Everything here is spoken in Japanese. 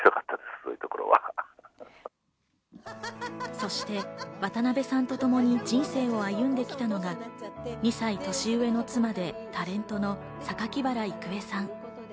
そして渡辺さんと共に人生を歩んできたのが２歳年上の妻でタレントの榊原郁恵さん。